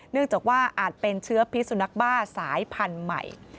เนื่องจากว่าอาจเป็นเชื้อพิสุนักบ้าสายพันธุ์ใหม่